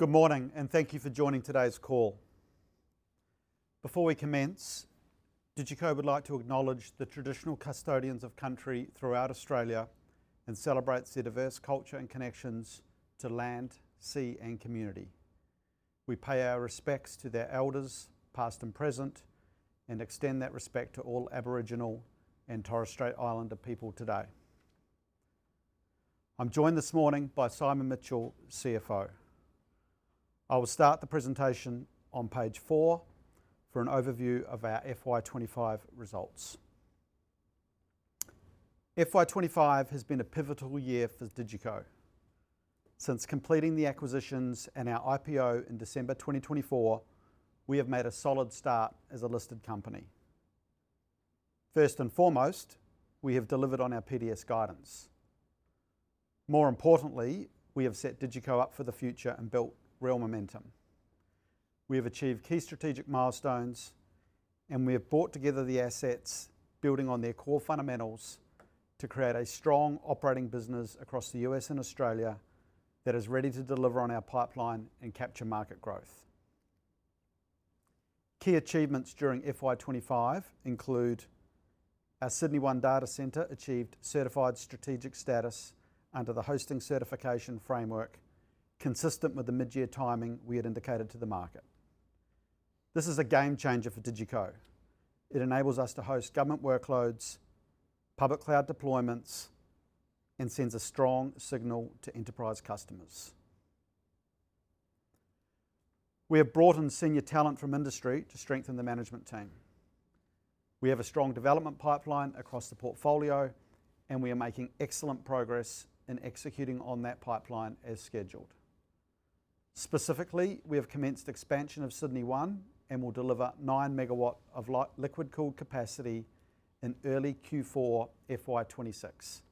Good morning and thank you for joining today's call. Before we commence, DigiCo would like to acknowledge the traditional custodians of country throughout Australia and celebrate their diverse culture and connections to land, sea, and community. We pay our respects to their elders, past and present, and extend that respect to all Aboriginal and Torres Strait Islander people today. I'm joined this morning by c. I will start the presentation on page four for an overview of our FY 2025 results. FY 2025 has been a pivotal year for DigiCo. Since completing the acquisitions and our IPO in December 2024, we have made a solid start as a listed company. First and foremost, we have delivered on our PDS guidance. More importantly, we have set DigiCo up for the future and built real momentum. We have achieved key strategic milestones, and we have brought together the assets, building on their core fundamentals, to create a strong operating business across the U.S. and Australia that is ready to deliver on our pipeline and capture market growth. Key achievements during FY 2025 include our Sydney One Data Centre achieved certified strategic status under the hosting certification framework, consistent with the mid-year timing we had indicated to the market. This is a game changer for DigiCo. It enables us to host government workloads, public cloud deployments, and sends a strong signal to enterprise customers. We have brought in senior talent from industry to strengthen the management team. We have a strong development pipeline across the portfolio, and we are making excellent progress in executing on that pipeline as scheduled. Specifically, we have commenced expansion of Sydney One and will deliver 9 megawatt of light liquid cooled capacity in early Q4 FY 2026.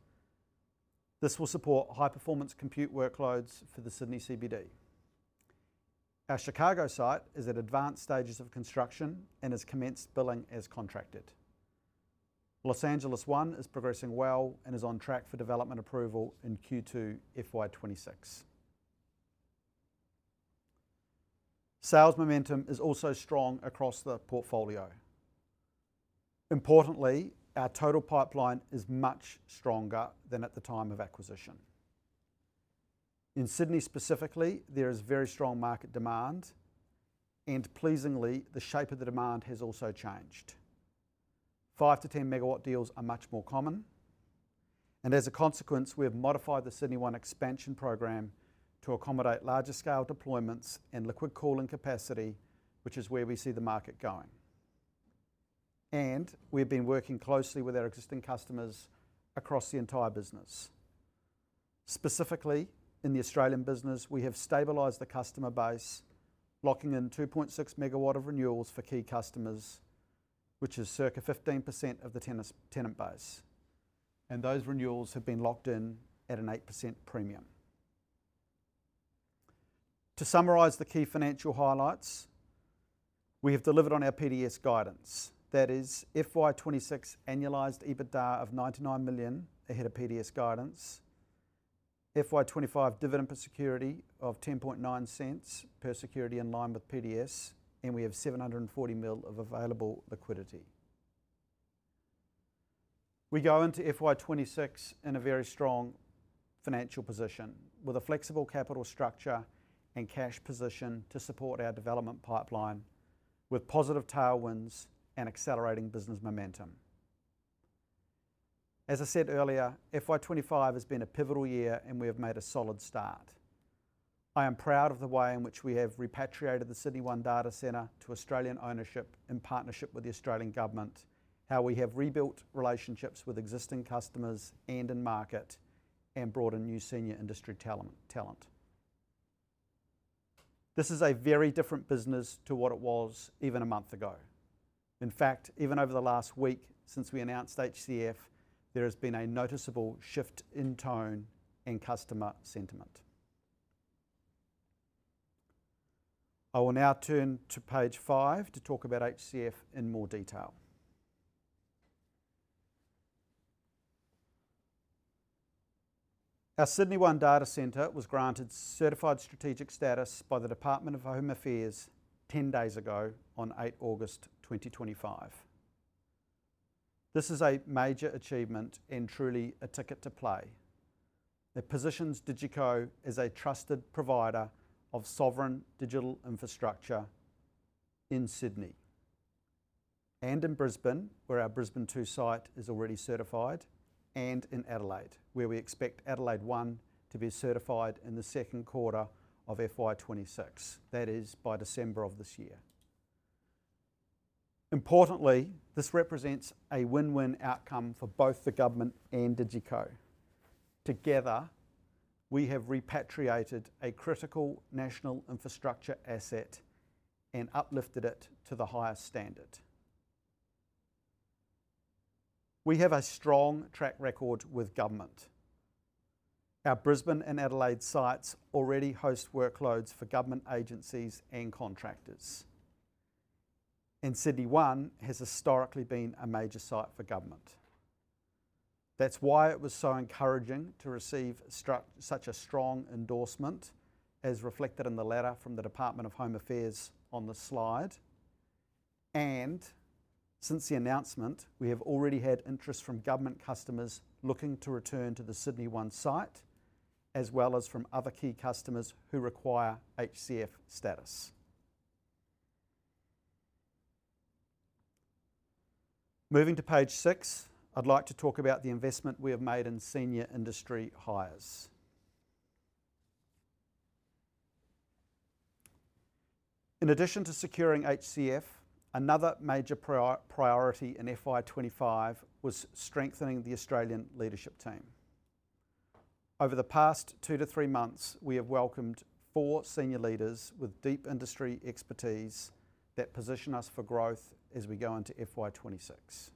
This will support high-performance compute workloads for the Sydney CBD. Our Chicago site is at advanced stages of construction and has commenced billing as contracted. Los Angeles One is progressing well and is on track for development approval in Q2 FY 2026. Sales momentum is also strong across the portfolio. Importantly, our total pipeline is much stronger than at the time of acquisition. In Sydney specifically, there is very strong market demand, and pleasingly, the shape of the demand has also changed. Five to ten megawatt deals are much more common, and as a consequence, we have modified the Sydney One expansion program to accommodate larger scale deployments and liquid cooling capacity, which is where we see the market going. We have been working closely with our existing customers across the entire business. Specifically, in the Australian business, we have stabilized the customer base, locking in 2.6 megawatts of renewals for key customers, which is circa 15% of the tenant base. Those renewals have been locked in at an 8% premium. To summarize the key financial highlights, we have delivered on our PDS guidance. That is, FY 2026 annualized EBITDA of $99 million ahead of PDS guidance. FY 2025 dividend per security of $0.109 per security in line with PDS, and we have $740 million of available liquidity. We go into FY 2026 in a very strong financial position with a flexible capital structure and cash position to support our development pipeline with positive tailwinds and accelerating business momentum. As I said earlier, FY 2025 has been a pivotal year, and we have made a solid start. I am proud of the way in which we have repatriated the Sydney One Data Centre to Australian ownership in partnership with the Australian government, how we have rebuilt relationships with existing customers and in market, and brought in new senior industry talent. This is a very different business to what it was even a month ago. In fact, even over the last week since we announced HCF, there has been a noticeable shift in tone and customer sentiment. I will now turn to page five to talk about HCF in more detail. Our Sydney One Data Centre was granted certified strategic status by the Australian Department of Home Affairs 10 days ago on 8 August, 2025. This is a major achievement and truly a ticket to play. It positions DigiCo as a trusted provider of sovereign digital infrastructure in Sydney and in Brisbane, where our Brisbane 2 site is already certified, and in Adelaide, where we expect Adelaide 1 to be certified in the second quarter of FY 2026, that is, by December of this year. Importantly, this represents a win-win outcome for both the government and DigiCo. Together, we have repatriated a critical national infrastructure asset and uplifted it to the highest standard. We have a strong track record with government. Our Brisbane and Adelaide sites already host workloads for government agencies and contractors, and Sydney One has historically been a major site for government. That's why it was so encouraging to receive such a strong endorsement, as reflected in the letter from the Australian Department of Home Affairs on the slide. Since the announcement, we have already had interest from government customers looking to return to the Sydney One site, as well as from other key customers who require HCF status. Moving to page six, I'd like to talk about the investment we have made in senior industry hires. In addition to securing HCF, another major priority in FY 2025 was strengthening the Australian leadership team. Over the past two to three months, we have welcomed four senior leaders with deep industry expertise that position us for growth as we go into FY 2026.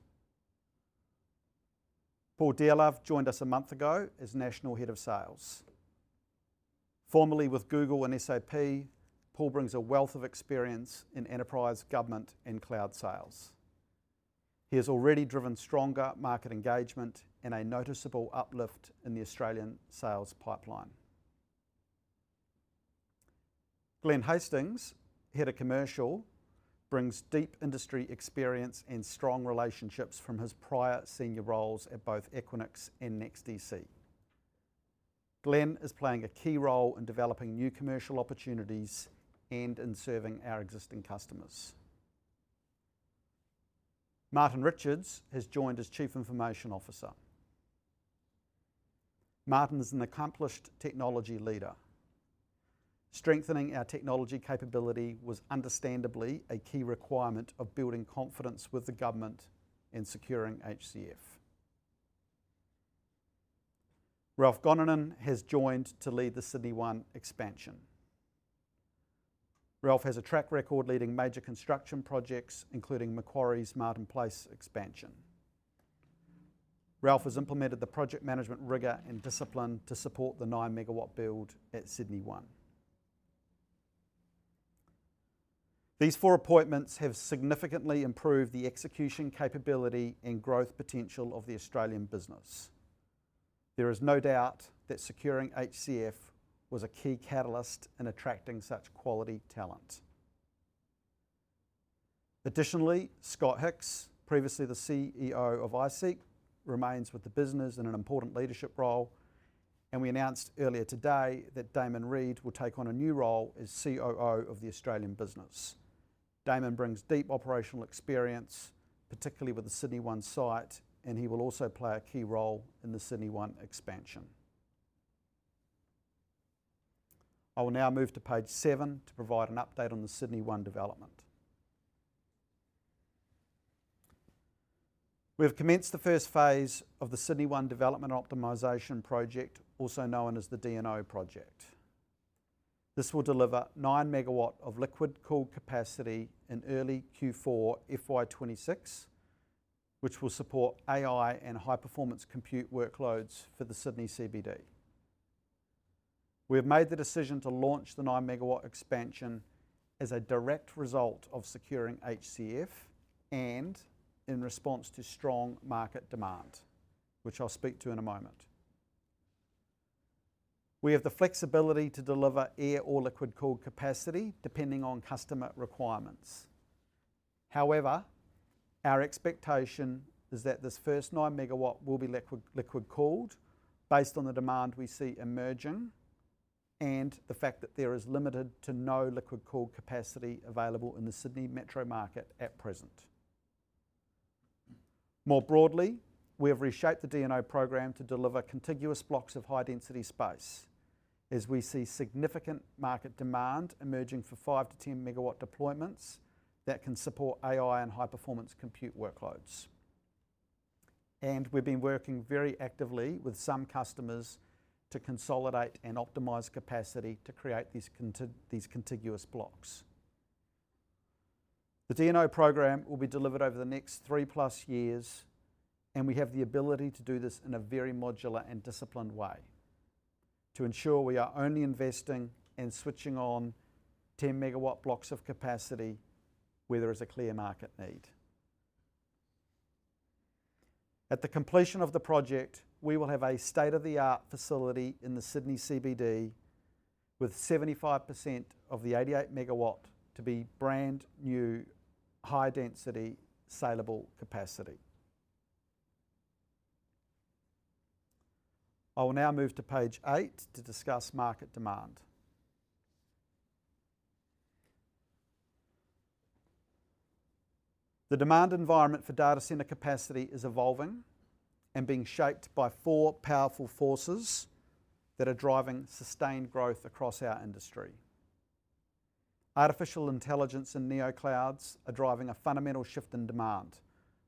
Paul Dalev joined us a month ago as National Head of Sales. Formerly with Google and SAP, Paul brings a wealth of experience in enterprise, government, and cloud sales. He has already driven stronger market engagement and a noticeable uplift in the Australian sales pipeline. Glen Hastings, Head of Commercial, brings deep industry experience and strong relationships from his prior senior roles at both Equinix and NextDC. Glen is playing a key role in developing new commercial opportunities and in serving our existing customers. Martin Richards has joined as Chief Information Officer. Martin is an accomplished technology leader. Strengthening our technology capability was understandably a key requirement of building confidence with the government and securing HCF. Ralph Goninan has joined to lead the Sydney One expansion. Ralph has a track record leading major construction projects, including Macquarie's Martin Place expansion. Ralph has implemented the project management rigor and discipline to support the 9 MW build at Sydney One. These four appointments have significantly improved the execution capability and growth potential of the Australian business. There is no doubt that securing HCF was a key catalyst in attracting such quality talent. Additionally, Scott Hicks, previously the CEO of iSeek, remains with the business in an important leadership role, and we announced earlier today that Damon Reid will take on a new role as COO of the Australian business. Damon brings deep operational experience, particularly with the Sydney One site, and he will also play a key role in the Sydney One expansion. I will now move to page seven to provide an update on the Sydney One development. We have commenced the first phase of the Sydney One Development Optimization Project, also known as the D&O Project. This will deliver 9 megawatt of liquid cooled capacity in early Q4 FY 2026, which will support AI and high-performance compute workloads for the Sydney CBD. We have made the decision to launch the 9 megawatt expansion as a direct result of securing HCF and in response to strong market demand, which I'll speak to in a moment. We have the flexibility to deliver air or liquid cooled capacity, depending on customer requirements. However, our expectation is that this first 9 megawatt will be liquid cooled based on the demand we see emerging and the fact that there is limited to no liquid cooled capacity available in the Sydney Metro market at present. More broadly, we have reshaped the D&O program to deliver contiguous blocks of high-density space, as we see significant market demand emerging for five to 10 megawatt deployments that can support AI and high-performance compute workloads. We have been working very actively with some customers to consolidate and optimize capacity to create these contiguous blocks. The D&O program will be delivered over the next three-plus years, and we have the ability to do this in a very modular and disciplined way to ensure we are only investing and switching on 10 megawatt blocks of capacity where there is a clear market need. At the completion of the project, we will have a state-of-the-art facility in the Sydney CBD with 75% of the 88 megawatt to be brand new high-density saleable capacity. I will now move to page eight to discuss market demand. The demand environment for data center capacity is evolving and being shaped by four powerful forces that are driving sustained growth across our industry. Artificial intelligence and neoclouds are driving a fundamental shift in demand,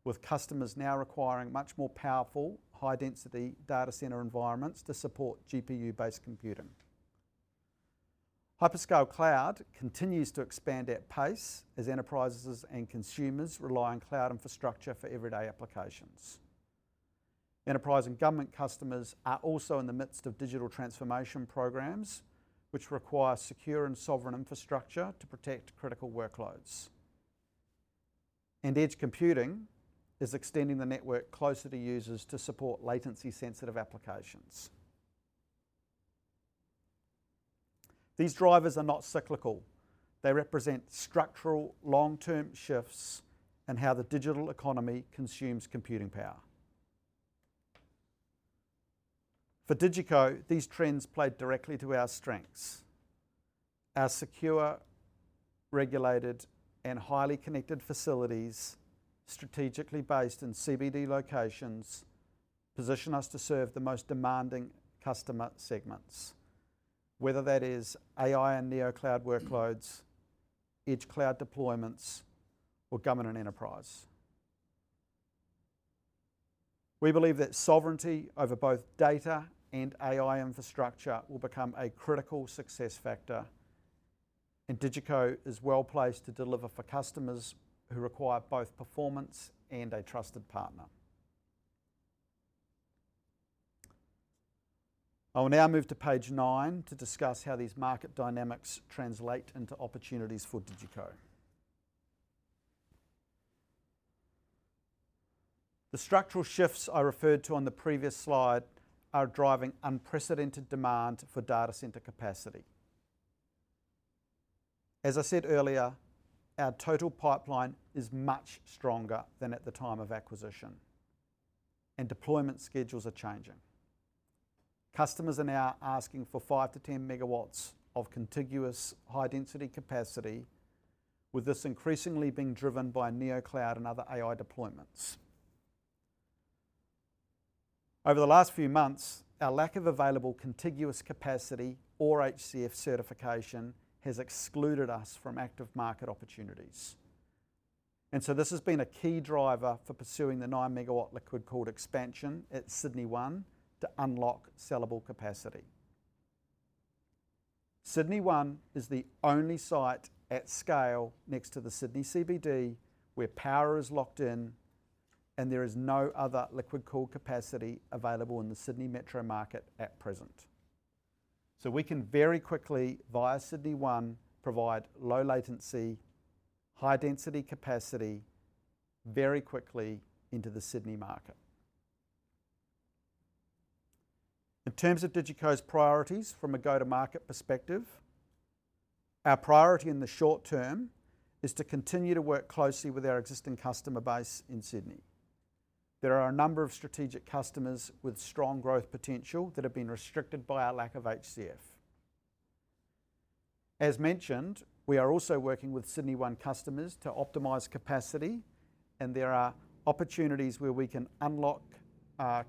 with customers now requiring much more powerful high-density data center environments to support GPU-based computing. Hyperscale cloud continues to expand at pace as enterprises and consumers rely on cloud infrastructure for everyday applications. Enterprise and government customers are also in the midst of digital transformation programs, which require secure and sovereign infrastructure to protect critical workloads. Edge computing is extending the network closer to users to support latency-sensitive applications. These drivers are not cyclical. They represent structural long-term shifts in how the digital economy consumes computing power. For DigiCo, these trends play directly to our strengths. Our secure, regulated, and highly connected facilities, strategically based in CBD locations, position us to serve the most demanding customer segments, whether that is AI and neocloud workloads, edge cloud deployments, or government and enterprise. We believe that sovereignty over both data and AI infrastructure will become a critical success factor, and DigiCo is well placed to deliver for customers who require both performance and a trusted partner. I will now move to page nine to discuss how these market dynamics translate into opportunities for DigiCo. The structural shifts I referred to on the previous slide are driving unprecedented demand for data center capacity. As I said earlier, our total pipeline is much stronger than at the time of acquisition, and deployment schedules are changing. Customers are now asking for five to ten megawatts of contiguous high-density capacity, with this increasingly being driven by neocloud and other AI deployments. Over the last few months, our lack of available contiguous capacity or HCF certification has excluded us from active market opportunities. This has been a key driver for pursuing the nine-megawatt liquid-cooled expansion at Sydney One to unlock saleable capacity. Sydney One is the only site at scale next to the Sydney CBD where power is locked in, and there is no other liquid-cooled capacity available in the Sydney Metro market at present. We can very quickly, via Sydney One, provide low latency, high-density capacity very quickly into the Sydney market. In terms of DigiCo's priorities from a go-to-market perspective, our priority in the short term is to continue to work closely with our existing customer base in Sydney. There are a number of strategic customers with strong growth potential that have been restricted by our lack of HCF. As mentioned, we are also working with Sydney One customers to optimize capacity, and there are opportunities where we can unlock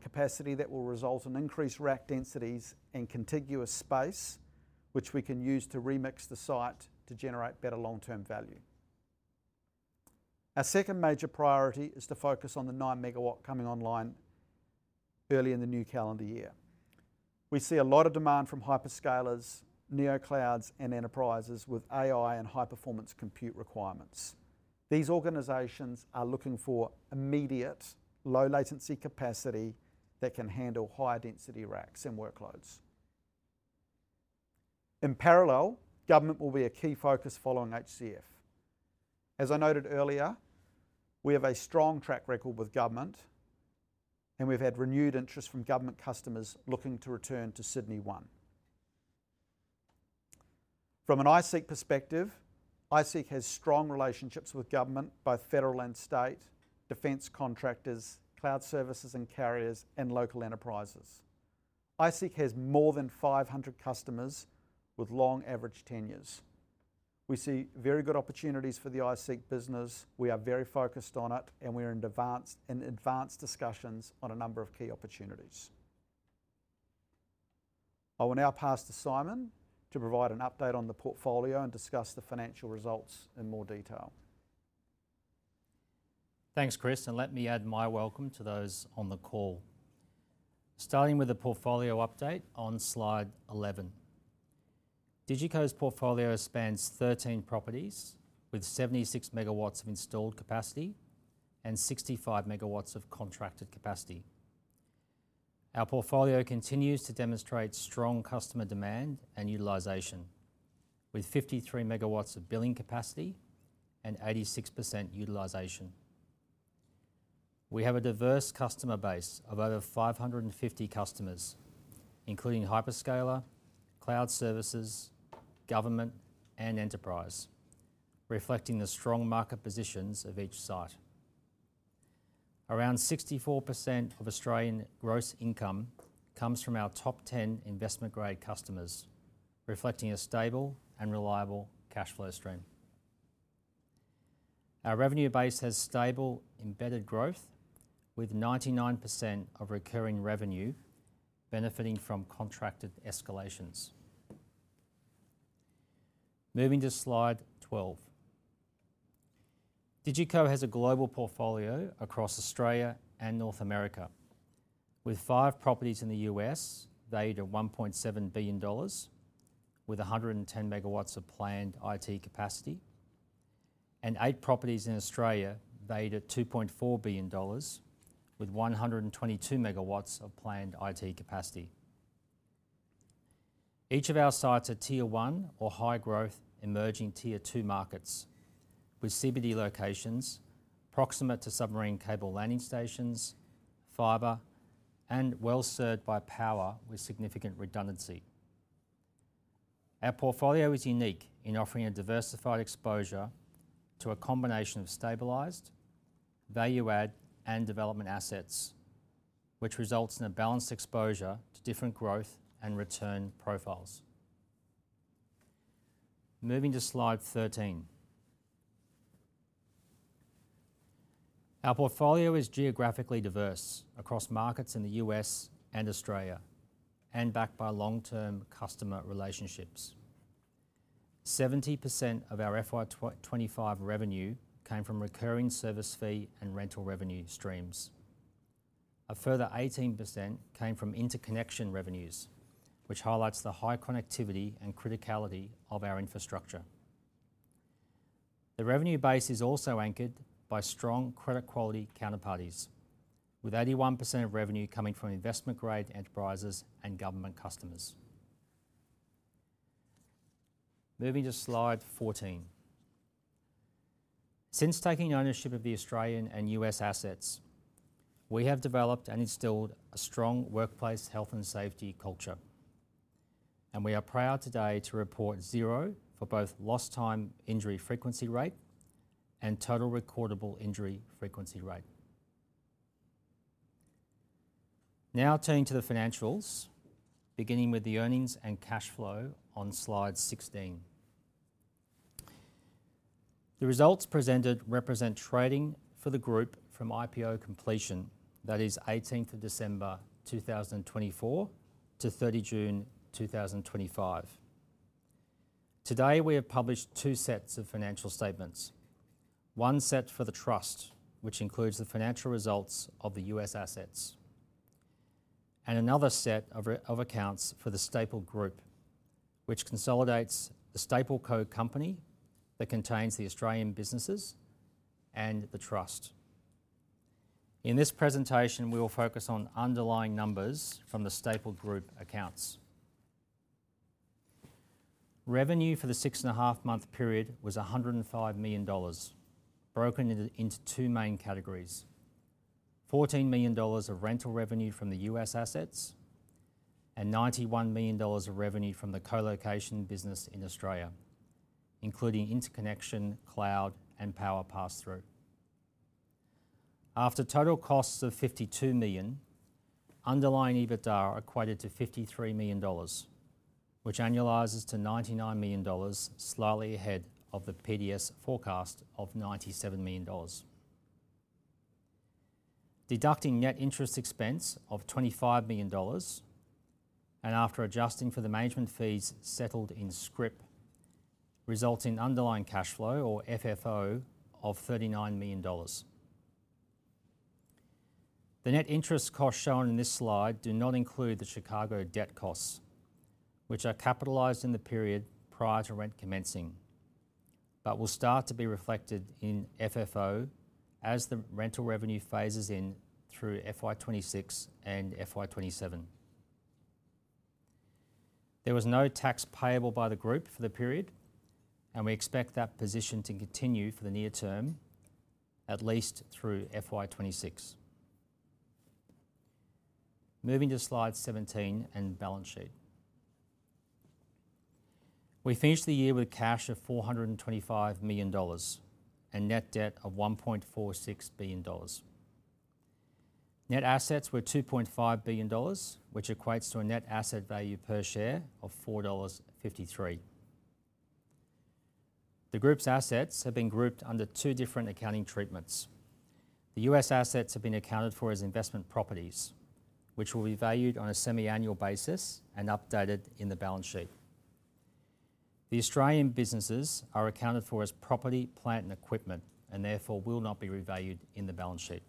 capacity that will result in increased rack densities and contiguous space, which we can use to remix the site to generate better long-term value. Our second major priority is to focus on the nine-megawatt coming online early in the new calendar year. We see a lot of demand from hyperscalers, neoclouds, and enterprises with AI and high-performance compute requirements. These organizations are looking for immediate low latency capacity that can handle high-density racks and workloads. In parallel, government will be a key focus following HCF. As I noted earlier, we have a strong track record with government, and we've had renewed interest from government customers looking to return to Sydney One. From an iSeek perspective, iSeek has strong relationships with government, both federal and state, defense contractors, cloud services and carriers, and local enterprises. iSeek has more than 500 customers with long average tenures. We see very good opportunities for the iSeek business. We are very focused on it, and we're in advanced discussions on a number of key opportunities. I will now pass to Simon to provide an update on the portfolio and discuss the financial results in more detail. Thanks, Chris, and let me add my welcome to those on the call. Starting with the portfolio update on slide 11. DigiCo's portfolio spans 13 properties with 76 megawatts of installed capacity and 65 megawatts of contracted capacity. Our portfolio continues to demonstrate strong customer demand and utilization, with 53 megawatts of billing capacity and 86% utilization. We have a diverse customer base of over 550 customers, including hyperscaler, cloud services, government, and enterprise, reflecting the strong market positions of each site. Around 64% of Australian gross income comes from our top 10 investment-grade customers, reflecting a stable and reliable cash flow stream. Our revenue base has stable embedded growth, with 99% of recurring revenue benefiting from contracted escalations. Moving to slide 12. DigiCo has a global portfolio across Australia and North America, with five properties in the U.S. valued at $1.7 billion, with 110 megawatts of planned IT capacity, and eight properties in Australia valued at $2.4 billion, with 122 megawatts of planned IT capacity. Each of our sites are Tier 1 or high growth emerging Tier 2 markets, with CBD locations proximate to submarine cable landing stations, fiber, and well served by power with significant redundancy. Our portfolio is unique in offering a diversified exposure to a combination of stabilized, value-add, and development assets, which results in a balanced exposure to different growth and return profiles. Moving to slide 13. Our portfolio is geographically diverse across markets in the U.S. and Australia, and backed by long-term customer relationships. 70% of our FY 2025 revenue came from recurring service fee and rental revenue streams. A further 18% came from interconnection revenues, which highlights the high connectivity and criticality of our infrastructure. The revenue base is also anchored by strong credit quality counterparties, with 81% of revenue coming from investment-grade enterprises and government customers. Moving to slide 14. Since taking ownership of the Australian and U.S. assets, we have developed and instilled a strong workplace health and safety culture, and we are proud today to report zero for both lost time injury frequency rate and total recordable injury frequency rate. Now turning to the financials, beginning with the earnings and cash flow on slide 16. The results presented represent trading for the group from IPO completion, that is December 18, 2024 to June 30, 2025. Today, we have published two sets of financial statements. One set for the trust, which includes the financial results of the U.S. assets, and another set of accounts for the stapled group, which consolidates the stapled co-company that contains the Australian businesses and the trust. In this presentation, we will focus on underlying numbers from the stapled group accounts. Revenue for the six and a half month period was $105 million, broken into two main categories: $14 million of rental revenue from the U.S. assets and $91 million of revenue from the co-location business in Australia, including interconnection, cloud, and power pass-through. After total costs of $52 million, underlying EBITDA equated to $53 million, which annualizes to $99 million, slightly ahead of the PDS forecast of $97 million. Deducting net interest expense of $25 million, and after adjusting for the management fees settled in script, results in underlying cash flow, or FFO, of $39 million. The net interest costs shown in this slide do not include the Chicago One debt costs, which are capitalized in the period prior to rent commencing, but will start to be reflected in FFO as the rental revenue phases in through FY 2026 and FY 2027. There was no tax payable by the group for the period, and we expect that position to continue for the near term, at least through FY 2026. Moving to slide 17 and balance sheet. We finished the year with cash of $425 million and net debt of $1.46 billion. Net assets were $2.5 billion, which equates to a net asset value per share of $4.53. The group's assets have been grouped under two different accounting treatments. The U.S. assets have been accounted for as investment properties, which will be valued on a semi-annual basis and updated in the balance sheet. The Australian businesses are accounted for as property, plant, and equipment, and therefore will not be revalued in the balance sheet.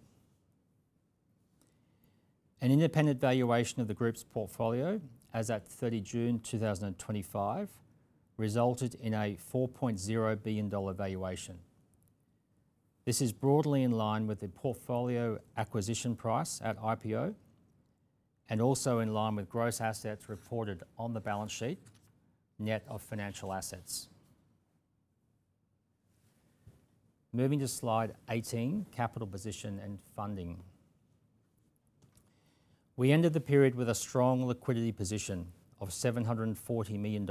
An independent valuation of the group's portfolio as at 30 June, 2025 resulted in a $4.0 billion valuation. This is broadly in line with the portfolio acquisition price at IPO and also in line with gross assets reported on the balance sheet, net of financial assets. Moving to slide 18, capital position and funding. We ended the period with a strong liquidity position of $740 million,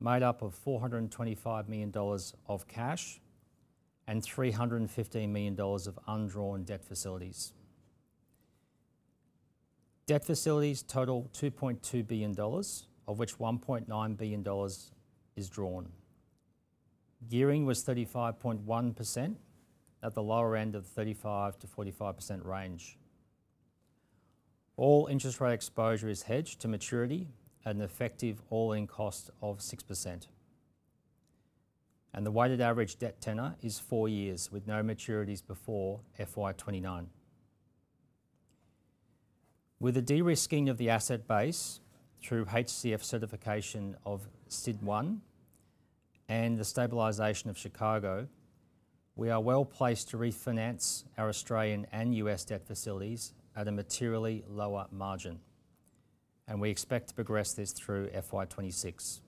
made up of $425 million of cash and $315 million of undrawn debt facilities. Debt facilities total $2.2 billion, of which $1.9 billion is drawn. Gearing was 35.1% at the lower end of the 35% to 45% range. All interest rate exposure is hedged to maturity at an effective all-in cost of 6%. The weighted average debt tenor is four years, with no maturities before FY 2029. With a de-risking of the asset base through HCF certification of SYD1 and the stabilization of Chicago, we are well placed to refinance our Australian and U.S. debt facilities at a materially lower margin, and we expect to progress this through FY 2026.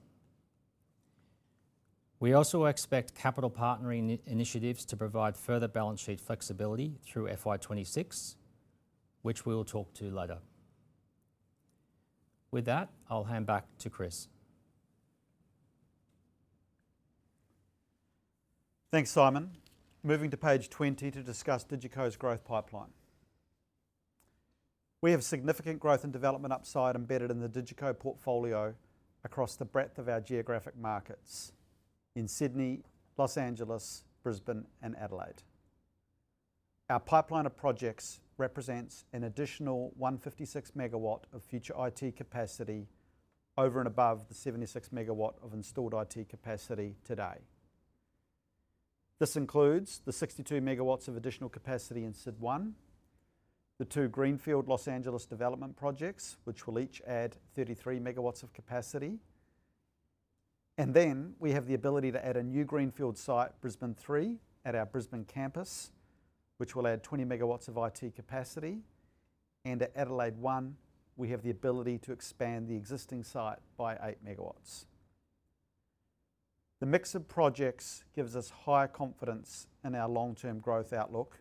We also expect capital partnering initiatives to provide further balance sheet flexibility through FY 2026, which we will talk to later. With that, I'll hand back to Chris. Thanks, Simon. Moving to page 20 to discuss DigiCo's growth pipeline. We have significant growth and development upside embedded in the DigiCo portfolio across the breadth of our geographic markets in Sydney, Los Angeles, Brisbane, and Adelaide. Our pipeline of projects represents an additional 156 megawatts of future IT capacity over and above the 76 megawatts of installed IT capacity today. This includes the 62 megawatts of additional capacity in Sydney One Data Centre, the two greenfield Los Angeles development projects, which will each add 33 megawatts of capacity. We also have the ability to add a new greenfield site, Brisbane 3, at our Brisbane campus, which will add 20 megawatts of IT capacity. At Adelaide 1, we have the ability to expand the existing site by 8 megawatts. The mix of projects gives us higher confidence in our long-term growth outlook,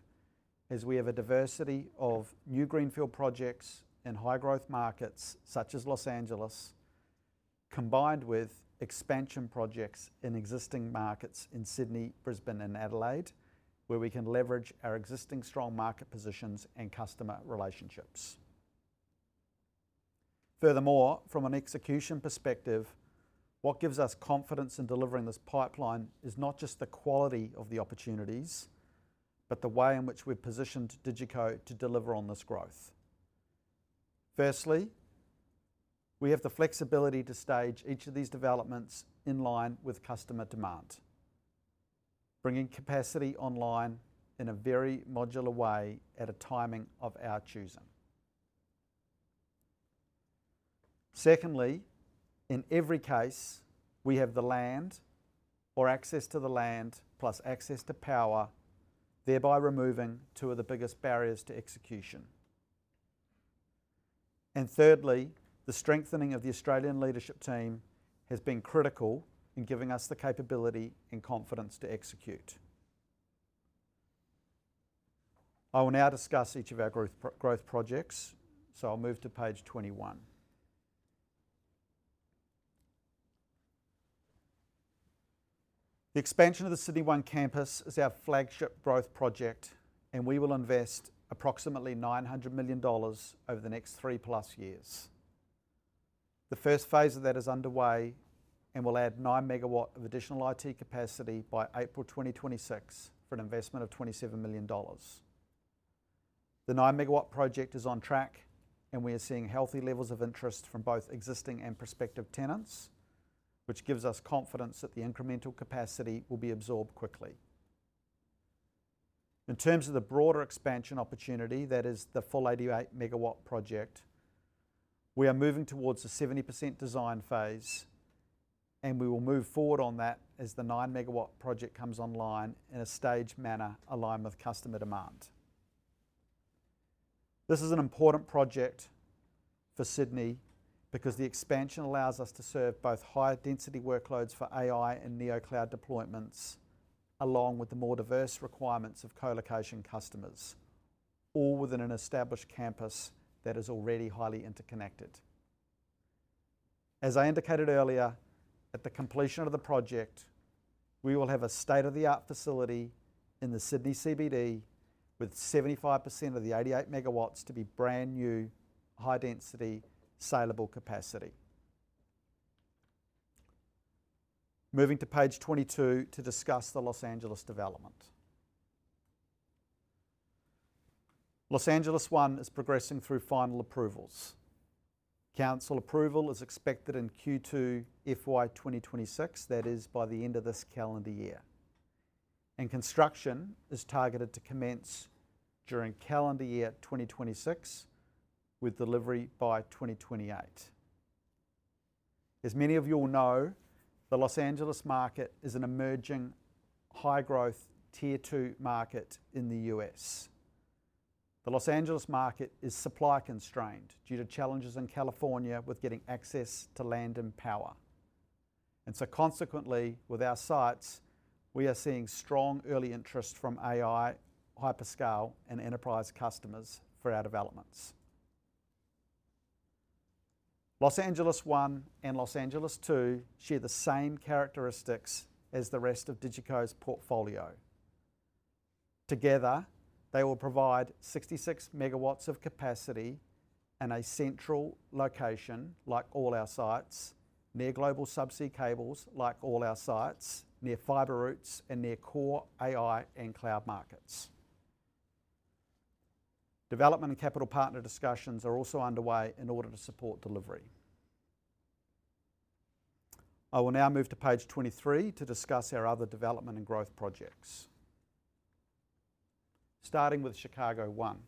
as we have a diversity of new greenfield projects in high-growth markets such as Los Angeles, combined with expansion projects in existing markets in Sydney, Brisbane, and Adelaide, where we can leverage our existing strong market positions and customer relationships. Furthermore, from an execution perspective, what gives us confidence in delivering this pipeline is not just the quality of the opportunities, but the way in which we've positioned DigiCo to deliver on this growth. Firstly, we have the flexibility to stage each of these developments in line with customer demand, bringing capacity online in a very modular way at a timing of our choosing. Secondly, in every case, we have the land or access to the land plus access to power, thereby removing two of the biggest barriers to execution. Thirdly, the strengthening of the Australian leadership team has been critical in giving us the capability and confidence to execute. I will now discuss each of our growth projects, so I'll move to page 21. The expansion of the Sydney One campus is our flagship growth project, and we will invest approximately $900 million over the next three-plus years. The first phase of that is underway and will add 9 megawatts of additional IT capacity by April 2026 for an investment of $27 million. The 9-megawatt project is on track, and we are seeing healthy levels of interest from both existing and prospective tenants, which gives us confidence that the incremental capacity will be absorbed quickly. In terms of the broader expansion opportunity, that is the full 88-megawatt project, we are moving towards a 70% design phase, and we will move forward on that as the 9-megawatt project comes online in a staged manner aligned with customer demand. This is an important project for Sydney because the expansion allows us to serve both high-density workloads for AI and neocloud deployments, along with the more diverse requirements of co-location customers, all within an established campus that is already highly interconnected. As I indicated earlier, at the completion of the project, we will have a state-of-the-art facility in the Sydney CBD with 75% of the 88 megawatts to be brand new high-density saleable capacity. Moving to page 22 to discuss the Los Angeles development. Los Angeles One is progressing through final approvals. Council approval is expected in Q2 FY 2026, that is, by the end of this calendar year. Construction is targeted to commence during calendar year 2026 with delivery by 2028. As many of you know, the Los Angeles market is an emerging high-growth Tier 2 market in the U.S. The Los Angeles market is supply constrained due to challenges in California with getting access to land and power. Consequently, with our sites, we are seeing strong early interest from AI, hyperscale, and enterprise customers for our developments. Los Angeles One and Los Angeles Two share the same characteristics as the rest of DigiCo's portfolio. Together, they will provide 66 megawatts of capacity in a central location, like all our sites, near global subsea cables, like all our sites, near fiber routes, and near core AI and cloud markets. Development and capital partner discussions are also underway in order to support delivery. I will now move to page 23 to discuss our other development and growth projects, starting with Chicago One.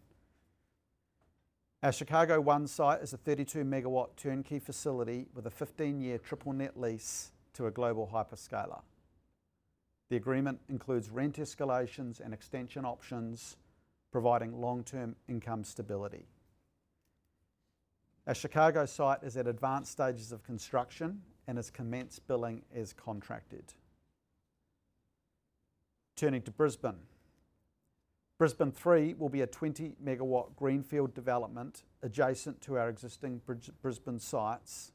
Our Chicago One site is a 32-megawatt turnkey facility with a 15-year triple net lease to a global hyperscaler. The agreement includes rent escalations and extension options, providing long-term income stability. Our Chicago site is at advanced stages of construction and has commenced billing as contracted. Turning to Brisbane, Brisbane 3 will be a 20-megawatt greenfield development adjacent to our existing Brisbane sites,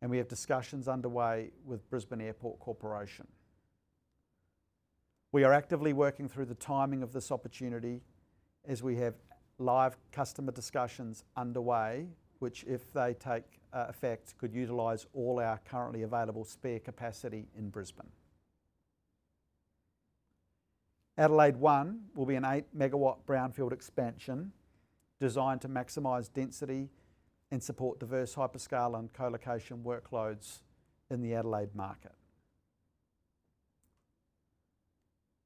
and we have discussions underway with Brisbane Airport Corporation. We are actively working through the timing of this opportunity, as we have live customer discussions underway, which, if they take effect, could utilize all our currently available spare capacity in Brisbane. Adelaide One will be an 8 megawatt brownfield expansion designed to maximize density and support diverse hyperscale and co-location workloads in the Adelaide market.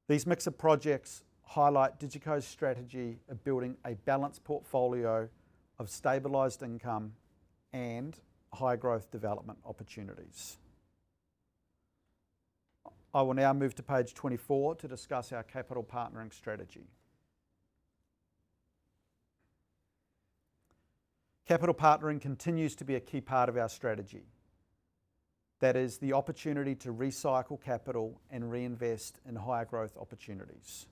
These mix of projects highlight DigiCo's strategy of building a balanced portfolio of stabilized income and high-growth development opportunities. I will now move to page 24 to discuss our capital partnering strategy. Capital partnering continues to be a key part of our strategy. That is the opportunity to recycle capital and reinvest in higher growth opportunities.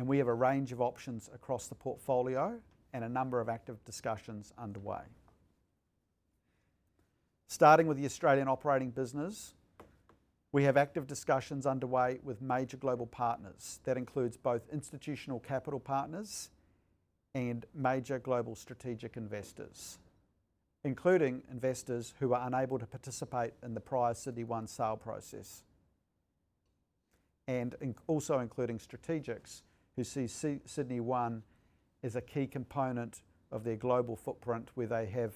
We have a range of options across the portfolio and a number of active discussions underway. Starting with the Australian operating business, we have active discussions underway with major global partners. That includes both institutional capital partners and major global strategic investors, including investors who are unable to participate in the prior Sydney One sale process, and also including strategics who see Sydney One as a key component of their global footprint, where they have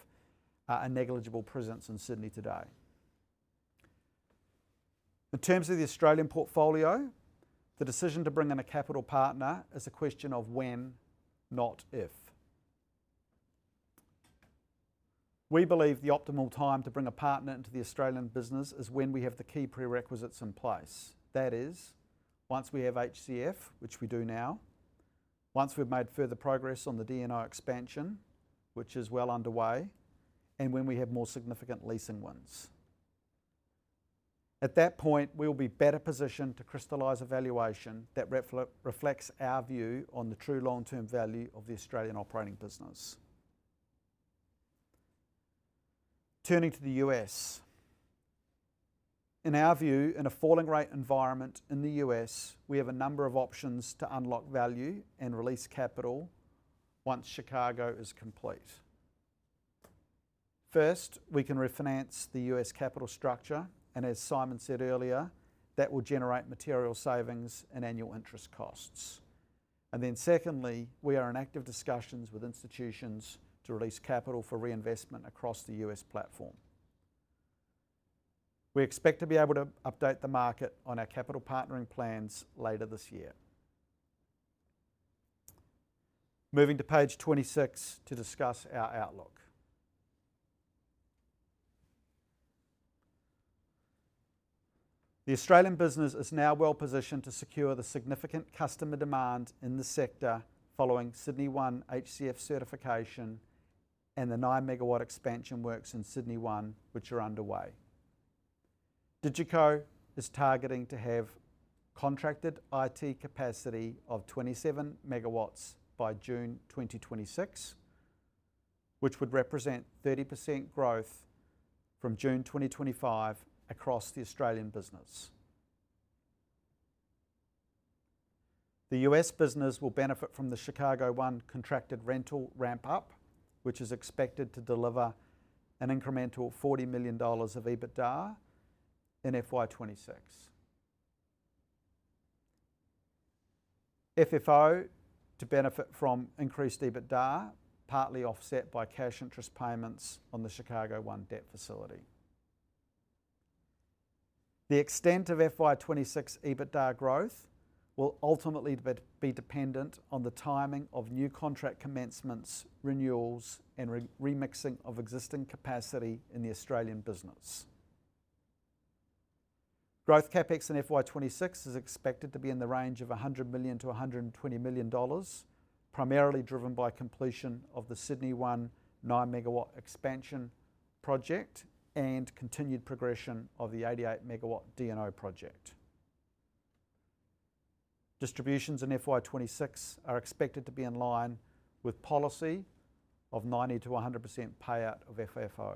a negligible presence in Sydney today. In terms of the Australian portfolio, the decision to bring in a capital partner is a question of when, not if. We believe the optimal time to bring a partner into the Australian business is when we have the key prerequisites in place. That is, once we have HCF, which we do now, once we've made further progress on the D&O expansion, which is well underway, and when we have more significant leasing ones. At that point, we will be better positioned to crystallize a valuation that reflects our view on the true long-term value of the Australian operating business. Turning to the U.S., in our view, in a falling rate environment in the U.S., we have a number of options to unlock value and release capital once Chicago One is complete. First, we can refinance the U.S. capital structure, and as Simon Mitchell said earlier, that will generate material savings in annual interest costs. Then, we are in active discussions with institutions to release capital for reinvestment across the U.S. platform. We expect to be able to update the market on our capital partnering plans later this year. Moving to page 26 to discuss our outlook. The Australian business is now well positioned to secure the significant customer demand in the sector following Sydney One HCF certification and the nine-megawatt expansion works in Sydney One, which are underway. DigiCo is targeting to have contracted IT capacity of 27 megawatts by June 2026, which would represent 30% growth from June, 2025 across the Australian business. The U.S. business will benefit from the Chicago One contracted rental ramp-up, which is expected to deliver an incremental $40 million of EBITDA in FY 2026. FFO to benefit from increased EBITDA, partly offset by cash interest payments on the Chicago One debt facility. The extent of FY 2026 EBITDA growth will ultimately be dependent on the timing of new contract commencements, renewals, and remixing of existing capacity in the Australian business. Growth CapEx in FY 2026 is expected to be in the range of $100 million to $120 million, primarily driven by completion of the Sydney One nine-megawatt expansion project and continued progression of the 88-megawatt D&O project. Distributions in FY 2026 are expected to be in line with policy of 90% to 100% payout of FFO.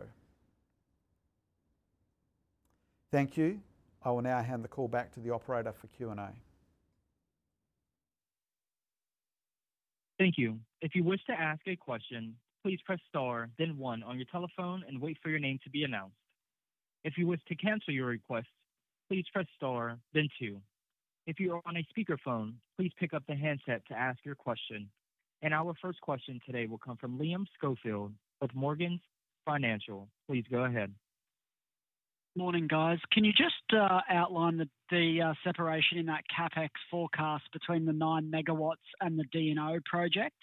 Thank you. I will now hand the call back to the operator for Q&A. Thank you. If you wish to ask a question, please press star, then one on your telephone and wait for your name to be announced. If you wish to cancel your request, please press star, then two. If you are on a speakerphone, please pick up the handset to ask your question. Our first question today will come from Liam Schofield of Morgan Financial. Please go ahead. Morning, guys. Can you just outline the separation in that CapEx forecast between the nine megawatts and the D&O project?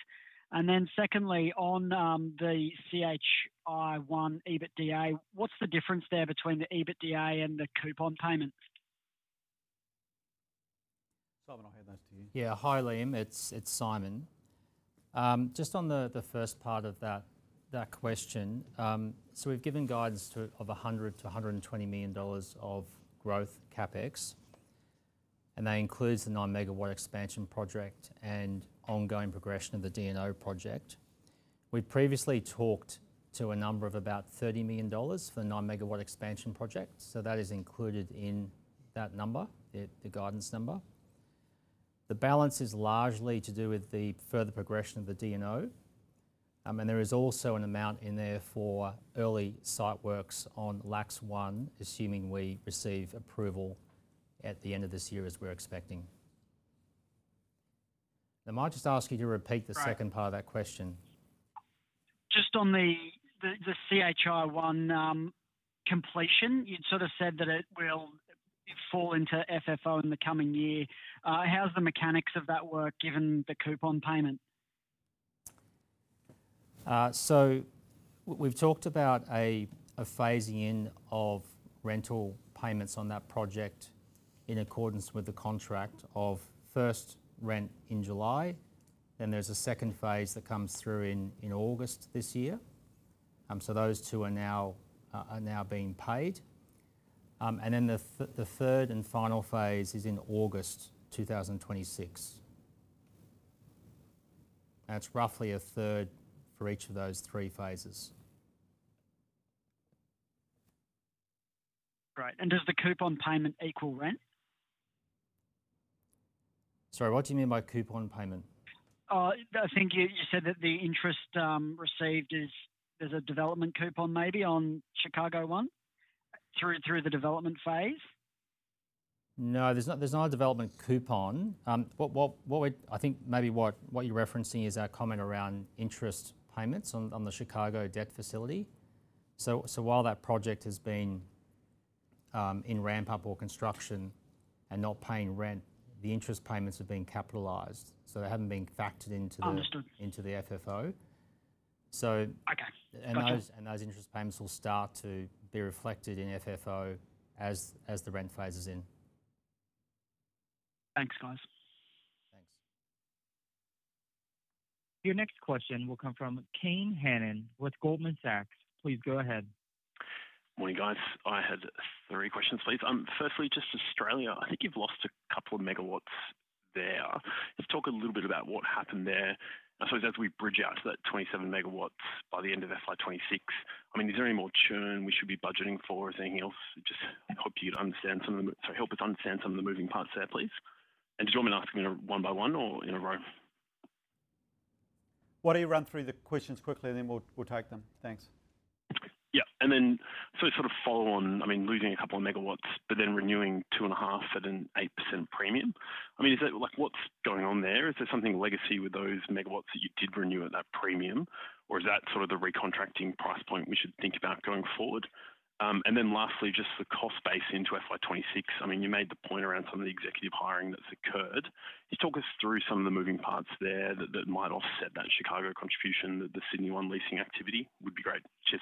Secondly, on the Chicago One EBITDA, what's the difference there between the EBITDA and the coupon payment? Simon, I'll hand those to you. Yeah, hi, Liam. It's Simon. Just on the first part of that question, we've given guidance of $100 - $120 million of growth CapEx, and that includes the nine-megawatt expansion project and ongoing progression of the D&O project. We previously talked to a number of about $30 million for the nine-megawatt expansion project, so that is included in that number, the guidance number. The balance is largely to do with the further progression of the D&O, and there is also an amount in there for early site works on LAX 1, assuming we receive approval at the end of this year, as we're expecting. I might just ask you to repeat the second part of that question. Just on the Chicago One completion, you sort of said that it will fall into FFO in the coming year. How's the mechanics of that work given the coupon payment? We've talked about a phasing in of rental payments on that project in accordance with the contract of first rent in July. Then there's a second phase that comes through in August this year. Those two are now being paid, and the third and final phase is in August 2026. That's roughly a third for each of those three phases. Right. Does the coupon payment equal rent? Sorry, what do you mean by coupon payment? I think you said that the interest received is there's a development coupon maybe on Chicago One through the development phase? No, there's not a development coupon. What I think maybe what you're referencing is our comment around interest payments on the Chicago debt facility. While that project has been in ramp-up or construction and not paying rent, the interest payments have been capitalized, so they haven't been factored into the FFO. Those interest payments will start to be reflected in FFO as the rent phase is in. Thanks, guys. Thanks. Your next question will come from Kane Hannan with Goldman Sachs. Please go ahead. Morning, guys. I had three questions, please. Firstly, just Australia, I think you've lost a couple of megawatts there. Just talk a little bit about what happened there. I suppose as we bridge out to that 27 megawatts by the end of FY 2026, is there any more churn we should be budgeting for? Is there anything else? Hope you could help us understand some of the moving parts there, please. Did you want me to ask them one by one or in a row? Why don't you run through the questions quickly, and then we'll take them? Thanks. Yeah. Sort of follow on, I mean, losing a couple of megawatts, but then renewing two and a half at an 8% premium. Is that like, what's going on there? Is there something legacy with those megawatts that you did renew at that premium? Is that sort of the recontracting price point we should think about going forward? Lastly, just the cost base into FY 2026. You made the point around some of the executive hiring that's occurred. Just talk us through some of the moving parts there that might offset that Chicago One contribution that the Sydney One leasing activity would be great. Cheers!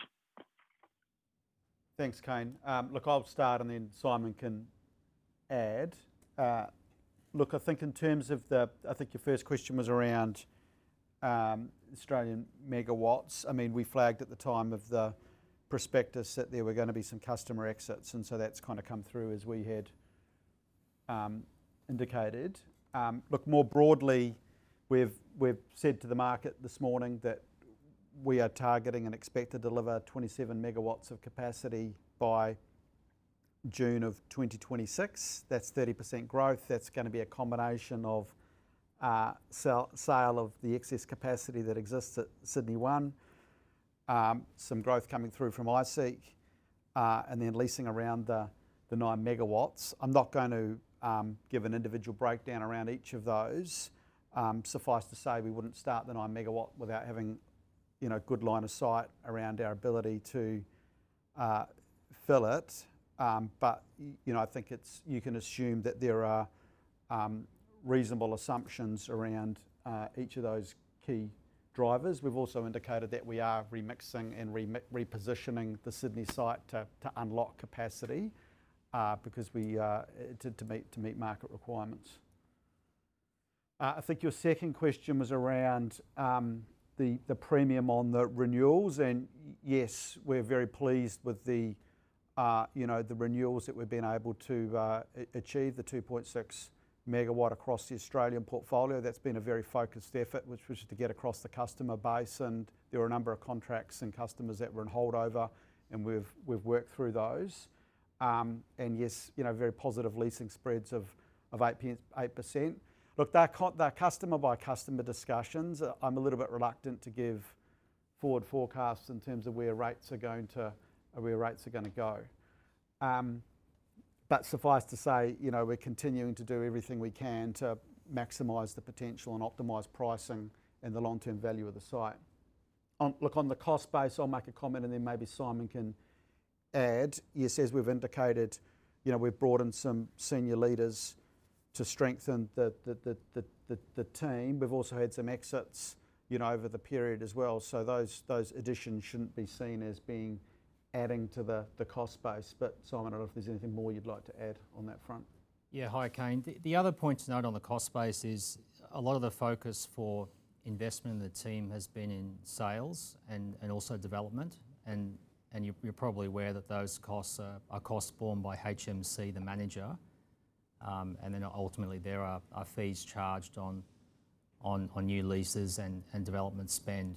Thanks, Kane. I'll start and then Simon can add. I think in terms of the, I think your first question was around Australian megawatts. We flagged at the time of the prospectus that there were going to be some customer exits, and that's come through as we had indicated. More broadly, we've said to the market this morning that we are targeting and expect to deliver 27 megawatts of capacity by June of 2026. That's 30% growth. That's going to be a combination of sale of the excess capacity that exists at Sydney One, some growth coming through from iSeek, and then leasing around the nine megawatts. I'm not going to give an individual breakdown around each of those. Suffice to say, we wouldn't start the nine megawatt without having a good line of sight around our ability to fill it. I think you can assume that there are reasonable assumptions around each of those key drivers. We've also indicated that we are remixing and repositioning the Sydney site to unlock capacity because we did to meet market requirements. I think your second question was around the premium on the renewals, and yes, we're very pleased with the renewals that we've been able to achieve, the 2.6 megawatt across the Australian portfolio. That's been a very focused effort, which was to get across the customer base, and there were a number of contracts and customers that were in holdover, and we've worked through those. Yes, very positive leasing spreads of 8%. They're customer-by-customer discussions. I'm a little bit reluctant to give forward forecasts in terms of where rates are going to go. Suffice to say, we're continuing to do everything we can to maximize the potential and optimize pricing and the long-term value of the site. On the cost base, I'll make a comment, and then maybe Simon can add. Yes, as we've indicated, we've brought in some senior leaders to strengthen the team. We've also had some exits over the period as well. Those additions shouldn't be seen as being adding to the cost base, but Simon, I don't know if there's anything more you'd like to add on that front. Yeah, hi Kane. The other point to note on the cost base is a lot of the focus for investment in the team has been in Sales and also Development. You're probably aware that those costs are costs borne by HMC, the manager. Ultimately, there are fees charged on new leases and development spend.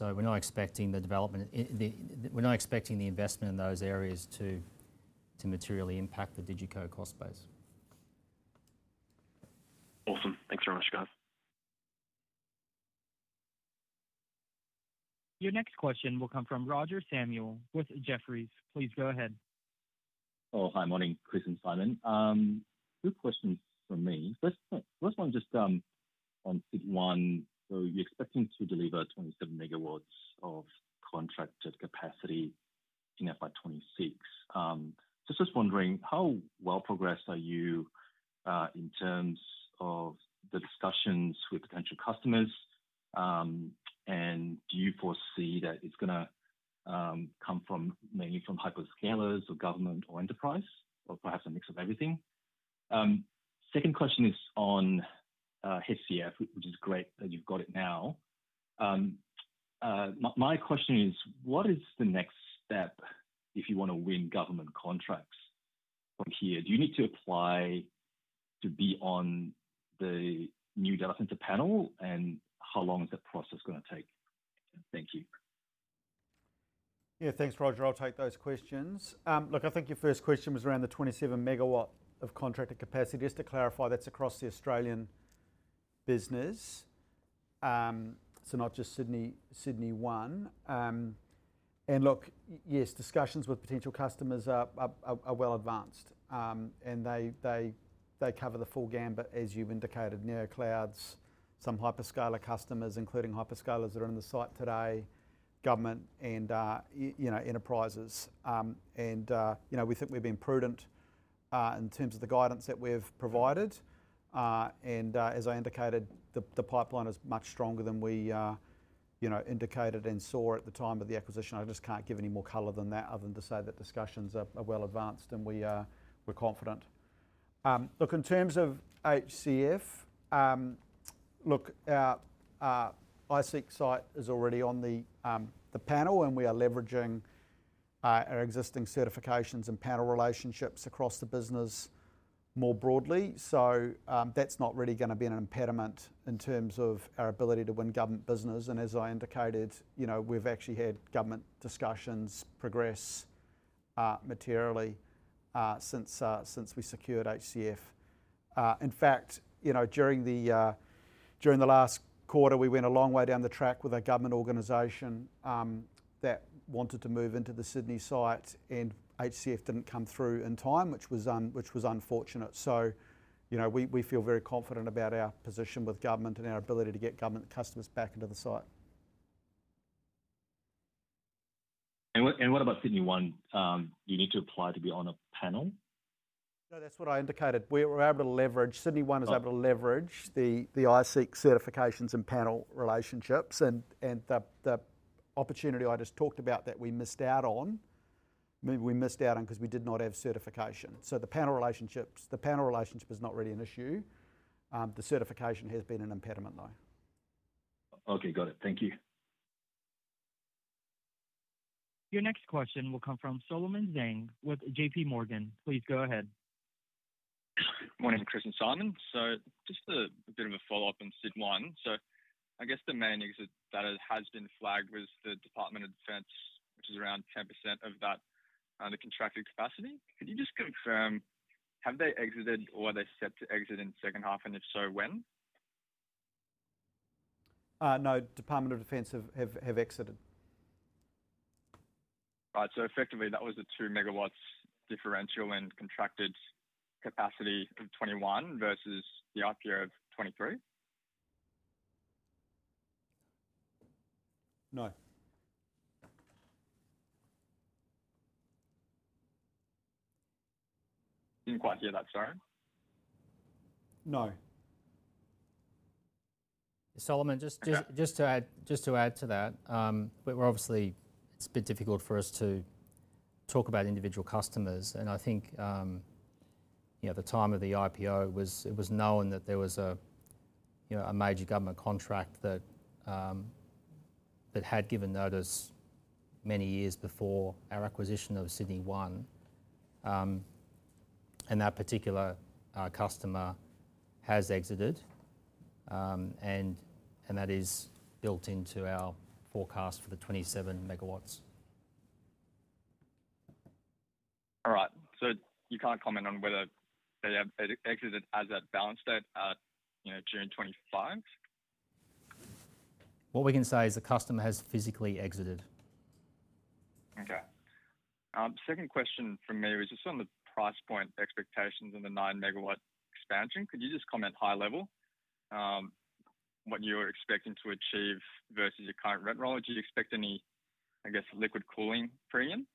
We're not expecting the investment in those areas to materially impact the DigiCo cost base. Awesome. Thanks very much, guys. Your next question will come from Roger Samuel with Jefferies. Please go ahead. Oh, hi. Morning, Chris and Simon. Two questions from me. First one just on Sydney One, where you're expecting to deliver 27 megawatts of contracted capacity in FY 2026. Just wondering, how well progressed are you in terms of the discussions with potential customers? Do you foresee that it's going to come mainly from hyperscalers or government or enterprise, or perhaps a mix of everything? Second question is on HCF, which is great that you've got it now. My question is, what is the next step if you want to win government contracts? From here, do you need to apply to be on the new data center panel, and how long is the process going to take? Thank you. Yeah, thanks, Roger. I'll take those questions. I think your first question was around the 27 megawatt of contracted capacity. Just to clarify, that's across the Australian business, not just Sydney One. Yes, discussions with potential customers are well advanced. They cover the full gambit, as you've indicated, neoclouds, some hyperscaler customers, including hyperscalers that are in the site today, government, and enterprises. We think we've been prudent in terms of the guidance that we've provided. As I indicated, the pipeline is much stronger than we indicated and saw at the time of the acquisition. I just can't give any more color than that other than to say that discussions are well advanced and we're confident. In terms of HCF, our iSeek site is already on the panel and we are leveraging our existing certifications and panel relationships across the business more broadly. That's not really going to be an impediment in terms of our ability to win government business. As I indicated, we've actually had government discussions progress materially since we secured HCF. In fact, during the last quarter, we went a long way down the track with a government organization that wanted to move into the Sydney site and HCF didn't come through in time, which was unfortunate. We feel very confident about our position with government and our ability to get government customers back into the site. What about Sydney One? Do you need to apply to be on a panel? No, that's what I indicated. We were able to leverage, Sydney One was able to leverage the iSeek certifications and panel relationships. The opportunity I just talked about that we missed out on, maybe we missed out on because we did not have certification. The panel relationship is not really an issue. The certification has been an impediment, though. Okay, got it. Thank you. Your next question will come from Solomon Zhang with J.P. Morgan. Please go ahead. Morning, Chris and Simon. Just a bit of a follow-up on Sydney One. I guess the main exit that has been flagged was the Department of Defense, which is around 10% of the contracted capacity. Could you just confirm, have they exited or are they set to exit in the second half? If so, when? No, Australian Department of Home Affairs have exited. Right. Effectively, that was the 2 megawatts differential in contracted capacity of 21 versus the IPO of 23. No. Sorry, didn't quite hear that. No. Solomon, just to add to that, it's a bit difficult for us to talk about individual customers. I think, at the time of the IPO, it was known that there was a major government contract that had given notice many years before our acquisition of Sydney One. That particular customer has exited, and that is built into our forecast for the 27 megawatts. All right. You can't comment on whether they have exited as of balance date at June 25? What we can say is the customer has physically exited. Okay. Second question from me was just on the price point expectations in the nine-megawatt expansion. Could you just comment high level what you're expecting to achieve versus your current rent roll? Do you expect any, I guess, liquid cooling premium?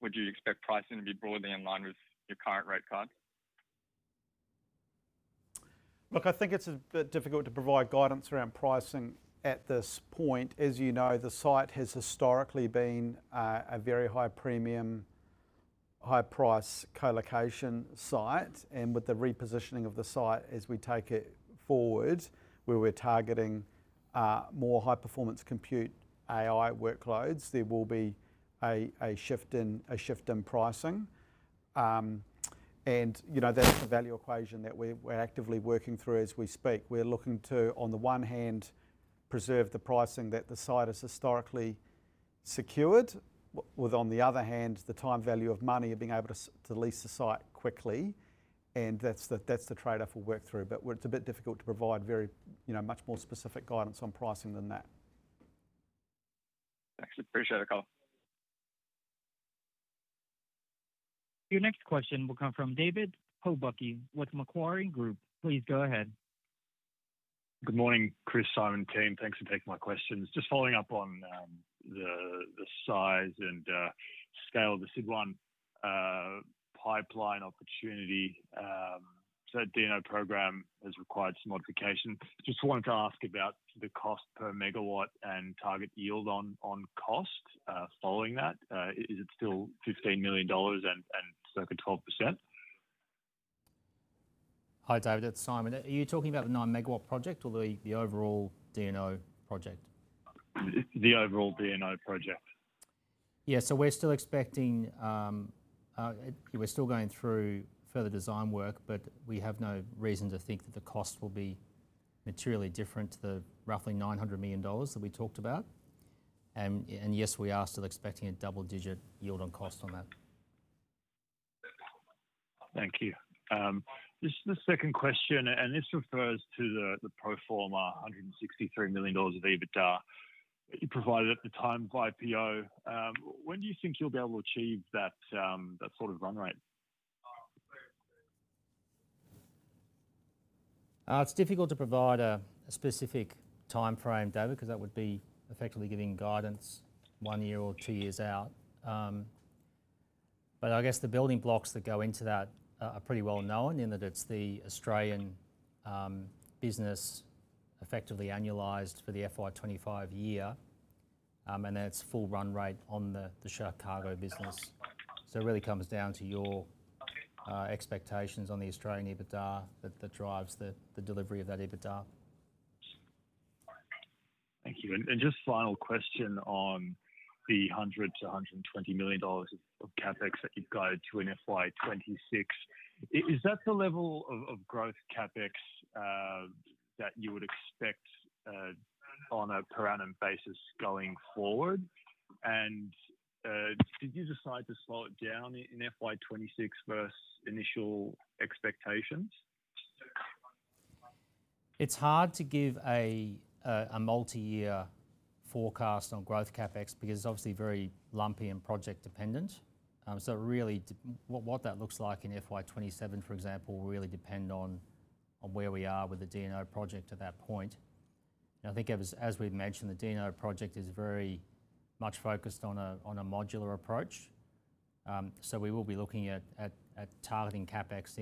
Would you expect pricing to be broadly in line with your current rate card? I think it's a bit difficult to provide guidance around pricing at this point. As you know, the site has historically been a very high premium, high-price co-location site. With the repositioning of the site, as we take it forward, where we're targeting more high-performance compute AI workloads, there will be a shift in pricing. That's the value equation that we're actively working through as we speak. We're looking to, on the one hand, preserve the pricing that the site has historically secured, with, on the other hand, the time value of money of being able to lease the site quickly. That's the trade-off we'll work through. It's a bit difficult to provide much more specific guidance on pricing than that. Thanks. Appreciate the call. Your next question will come from David Pobucky with Macquarie. Please go ahead. Good morning, Chris, Simon, and team. Thanks for taking my questions. Just following up on the size and scale of the Sydney One pipeline opportunity. The D&O program has required some modification. I wanted to ask about the cost per megawatt and target yield on cost following that. Is it still $15 million and circa 12%? Hi David, it's Simon. Are you talking about the 9 MW project or the overall D&O project? The overall D&O project. We're still expecting, we're still going through further design work, but we have no reason to think that the cost will be materially different to the roughly $900 million that we talked about. Yes, we are still expecting a double-digit yield on cost on that. Thank you. This is the second question, and this refers to the pro forma $163 million of EBITDA provided at the time of IPO. When do you think you'll be able to achieve that sort of run rate? It's difficult to provide a specific timeframe, David, because that would be effectively giving guidance one year or two years out. The building blocks that go into that are pretty well known in that it's the Australian business effectively annualized for the FY 2025 year, and it's full run rate on the Chicago business. It really comes down to your expectations on the Australian EBITDA that drives the delivery of that EBITDA. Thank you. Just a final question on the $100 - $120 million of CapEx that you've got to in FY 2026. Is that the level of growth CapEx that you would expect on a per annum basis going forward? Did you decide to slow it down in FY 2026 versus initial expectations? It's hard to give a multi-year forecast on growth CapEx because it's obviously very lumpy and project-dependent. What that looks like in FY 2027, for example, will really depend on where we are with the D&O project at that point. I think, as we've mentioned, the D&O project is very much focused on a modular approach. We will be looking at targeting CapEx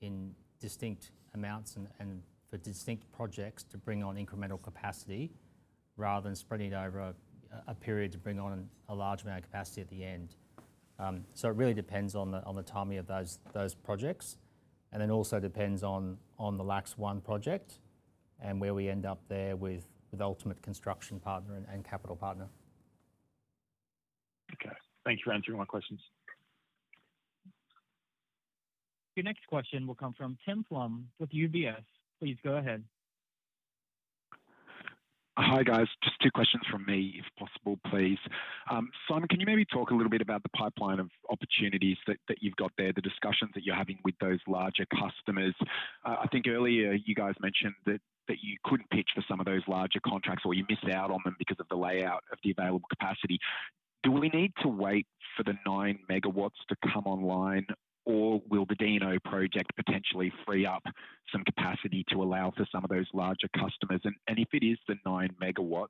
in distinct amounts and for distinct projects to bring on incremental capacity rather than spreading it over a period to bring on a large amount of capacity at the end. It really depends on the timing of those projects. It also depends on the LAX 1 project and where we end up there with the ultimate construction partner and capital partner. Okay. Thanks for answering my questions. Your next question will come from Tim [Elem] with UBS. Please go ahead. Hi guys, just two questions from me if possible, please. Simon, can you maybe talk a little bit about the pipeline of opportunities that you've got there, the discussions that you're having with those larger customers? I think earlier you guys mentioned that you couldn't pitch for some of those larger contracts or you missed out on them because of the layout of the available capacity. Do we need to wait for the 9 megawatts to come online, or will the D&O project potentially free up some capacity to allow for some of those larger customers? If it is the 9 megawatts,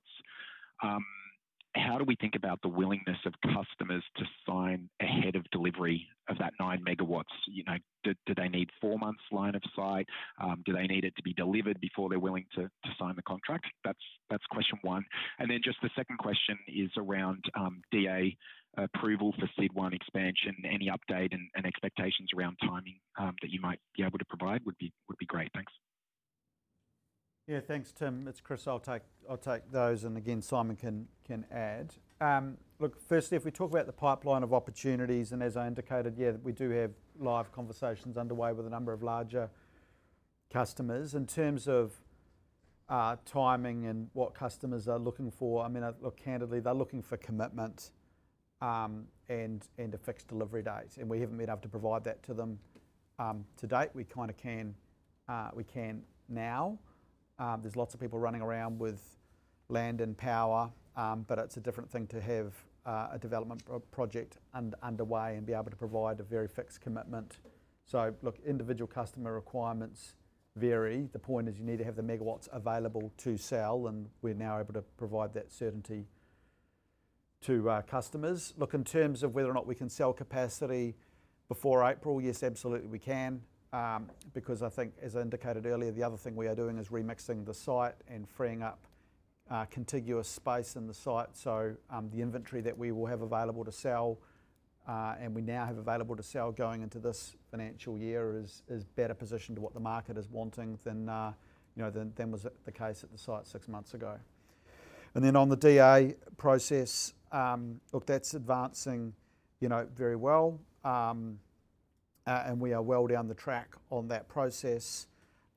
how do we think about the willingness of customers to sign ahead of delivery of that 9 megawatts? Do they need four months line of sight? Do they need it to be delivered before they're willing to sign the contract? That's question one. The second question is around DA approval for Sydney One expansion. Any update and expectations around timing that you might be able to provide would be great. Thanks. Yeah, thanks Tim. It's Chris. I'll take those. Simon can add. Firstly, if we talk about the pipeline of opportunities, and as I indicated, we do have live conversations underway with a number of larger customers. In terms of timing and what customers are looking for, candidly, they're looking for commitment and a fixed delivery date. We haven't been able to provide that to them to date. We kind of can, we can now. There are lots of people running around with land and power, but it's a different thing to have a development project underway and be able to provide a very fixed commitment. Individual customer requirements vary. The point is you need to have the megawatts available to sell, and we're now able to provide that certainty to customers. In terms of whether or not we can sell capacity before April, yes, absolutely we can. As I indicated earlier, the other thing we are doing is remixing the site and freeing up contiguous space in the site. The inventory that we will have available to sell, and we now have available to sell going into this financial year, is better positioned to what the market is wanting than was the case at the site six months ago. On the DA process, that's advancing very well. We are well down the track on that process,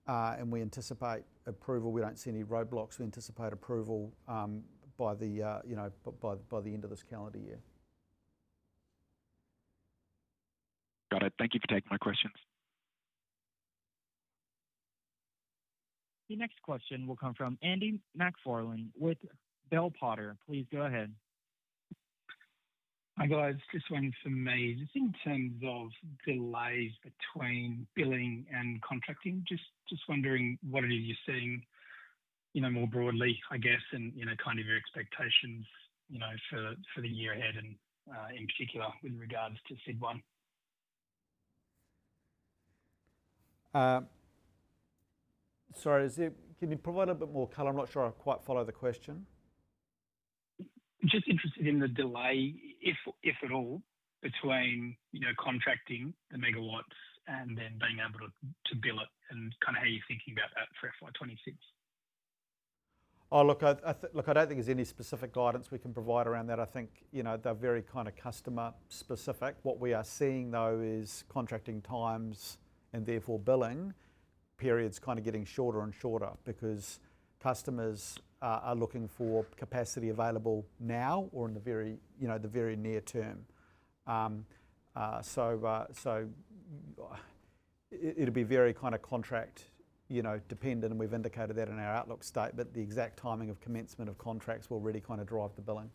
and we anticipate approval. We don't see any roadblocks. We anticipate approval by the end of this calendar year. Got it. Thank you for taking my questions. Your next question will come from Andy McFarlane with Bell Potter. Please go ahead. Hi guys, just one for me. In terms of delays between billing and contracting, just wondering what it is you're seeing more broadly, I guess, and your expectations for the year ahead, in particular with regards to Sydney One. Sorry, can you provide a bit more color? I'm not sure I quite follow the question. Just interested in the delay, if at all, between contracting the megawatts and then being able to bill it, and kind of how you're thinking about that for FY 2026. Oh, look, I don't think there's any specific guidance we can provide around that. I think they're very kind of customer specific. What we are seeing, though, is contracting times and therefore billing periods kind of getting shorter and shorter because customers are looking for capacity available now or in the very, you know, the very near term. It'll be very kind of contract dependent, and we've indicated that in our outlook statement. The exact timing of commencement of contracts will really kind of drive the billing,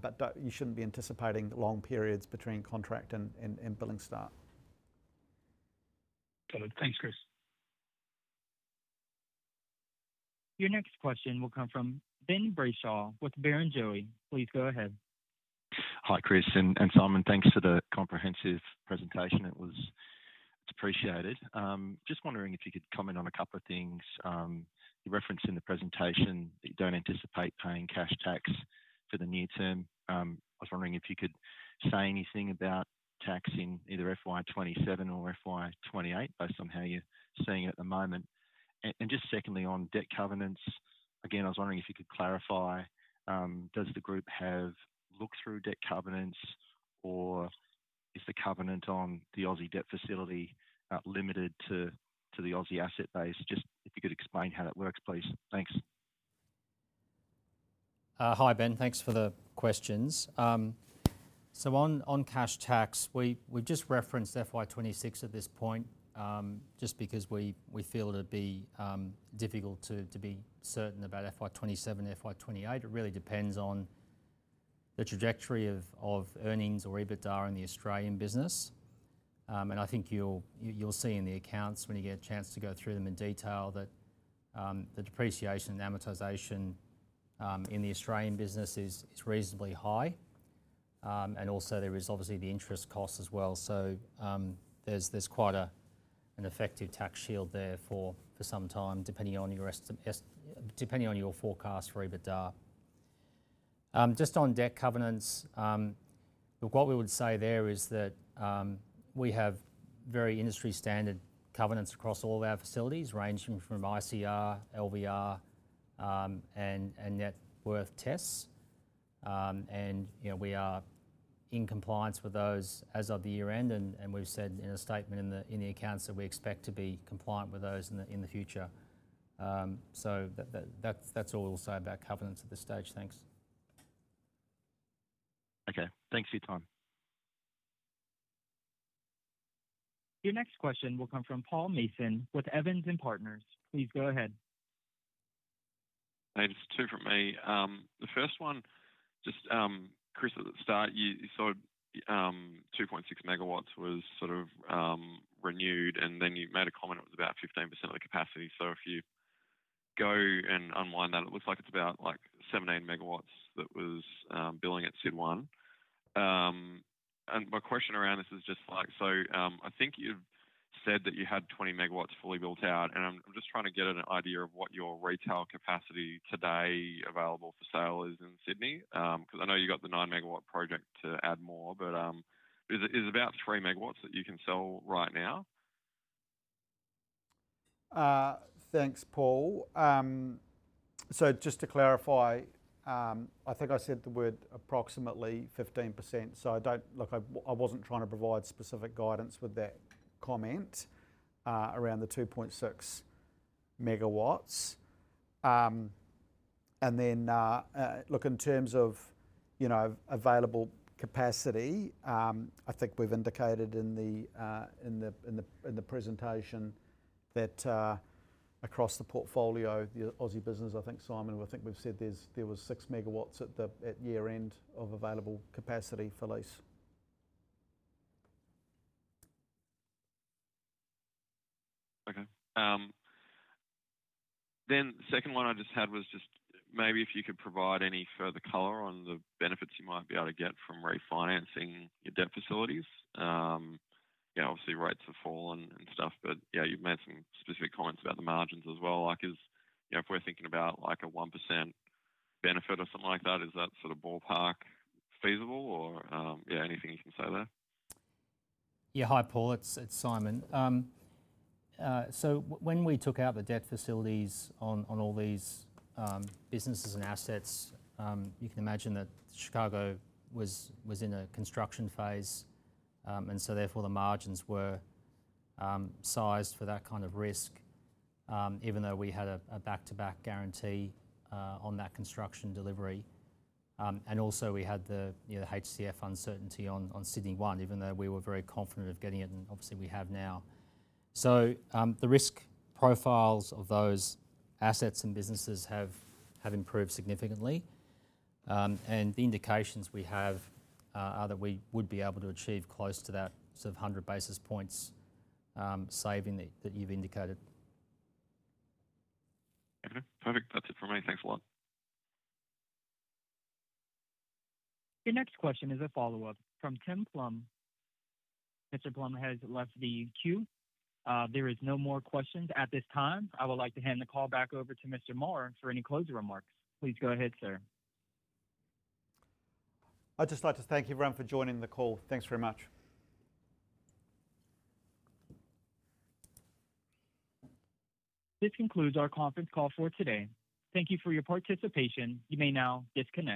but you shouldn't be anticipating long periods between contract and billing start. Got it. Thanks, Chris. Your next question will come from Ben Brayshaw with Barrenjoey. Please go ahead. Hi Chris and Simon, thanks for the comprehensive presentation. It was appreciated. Just wondering if you could comment on a couple of things. You referenced in the presentation that you don't anticipate paying cash tax for the near term. I was wondering if you could say anything about taxing either FY 2027 or FY 2028, based on how you're seeing it at the moment. Just secondly, on debt covenants, again, I was wondering if you could clarify, does the group have looked through debt covenants or is the covenant on the Aussie debt facility limited to the Aussie asset base? Just if you could explain how that works, please. Thanks. Hi Ben, thanks for the questions. On cash tax, we just referenced FY 2026 at this point, just because we feel it'd be difficult to be certain about FY 2027 and FY 2028. It really depends on the trajectory of earnings or EBITDA in the Australian business. I think you'll see in the accounts when you get a chance to go through them in detail that the depreciation and amortization in the Australian business is reasonably high. There is obviously the interest cost as well. There's quite an effective tax shield there for some time, depending on your forecast for EBITDA. On debt covenants, what we would say is that we have very industry standard covenants across all of our facilities, ranging from ICR, LVR, and net worth tests. We are in compliance with those as of the year end. We've said in a statement in the accounts that we expect to be compliant with those in the future. That's all we'll say about covenants at this stage. Thanks. Okay, thanks for your time. Your next question will come from Paul Mason with Evans and Partners. Please go ahead. Hey, just two from me. The first one, just Chris, at the start you said 2.6 megawatts was sort of renewed, and then you made a comment it was about 15% of the capacity. If you go and unwind that, it looks like it's about 17 megawatts that was billing at Sydney One. My question around this is just, I think you've said that you had 20 megawatts fully built out, and I'm just trying to get an idea of what your retail capacity today available for sale is in Sydney. I know you've got the nine megawatt project to add more, but is it about three megawatts that you can sell right now? Thanks, Paul. Just to clarify, I think I said the word approximately 15%. I wasn't trying to provide specific guidance with that comment around the 2.6 megawatts. In terms of available capacity, I think we've indicated in the presentation that across the portfolio, the Aussie business, Simon, I think we've said there was 6 megawatts at the year end of available capacity for lease. The second one I just had was maybe if you could provide any further color on the benefits you might be able to get from refinancing your debt facilities. Obviously, rates have fallen, but you've made some specific comments about the margins as well. If we're thinking about like a 1% benefit or something like that, is that sort of ballpark feasible or anything you can say there? Yeah, hi Paul, it's Simon. When we took out the debt facilities on all these businesses and assets, you can imagine that Chicago was in a construction phase, and therefore the margins were sized for that kind of risk, even though we had a back-to-back guarantee on that construction delivery. We also had the HCF uncertainty on Sydney One, even though we were very confident of getting it, and obviously we have now. The risk profiles of those assets and businesses have improved significantly, and the indications we have are that we would be able to achieve close to that sort of 100 basis points saving that you've indicated. Okay, perfect. That's it for me. Thanks a lot. Your next question is a follow-up from Tim Plum. Mr. Plum has left the queue. There are no more questions at this time. I would like to hand the call back over to Mr. Moore for any closing remarks. Please go ahead, sir. I'd just like to thank everyone for joining the call. Thanks very much. This concludes our conference call for today. Thank you for your participation. You may now disconnect.